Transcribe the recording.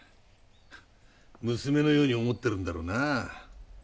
娘のように思ってるんだろうな。